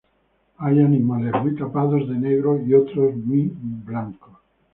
Hay animales muy tapados de negro y otros muy blancos.